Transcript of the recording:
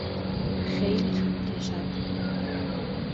خیلی طول می کشد.